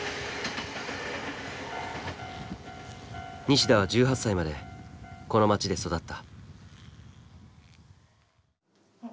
西田は１８歳までこの町で育った。